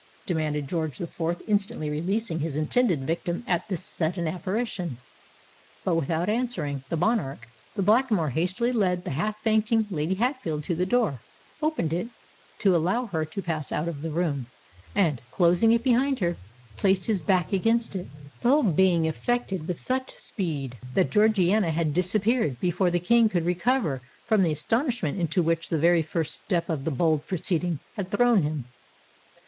demanded George the Fourth, instantly releasing his intended victim at this sudden apparition. But, without answering the monarch, the Blackamoor hastily led the half fainting Lady Hatfield to the door—opened it to allow her to pass out of the room—and, closing it behind her, placed his back against it,—the whole being effected with such speed, that Georgiana had disappeared before the King could recover from the astonishment into which the very first step of the bold proceeding had thrown him.